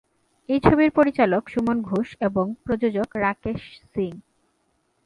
এই ছবির পরিচালক সুমন ঘোষ এবং প্রযোজক রাকেশ সিং।